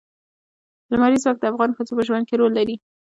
لمریز ځواک د افغان ښځو په ژوند کې رول لري.